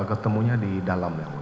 ketemunya di dalam ya